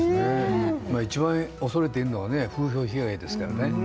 いちばん恐れているのが風評被害ですからね。